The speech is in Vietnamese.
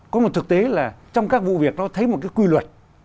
có một thực tế là trong các vụ việc nó thấy một cái quy luật